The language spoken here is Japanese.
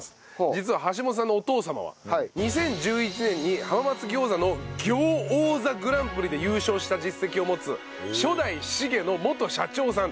実は橋本さんのお父様は２０１１年に浜松餃子の餃王座グランプリで優勝した実績を持つ初代しげの元社長さん。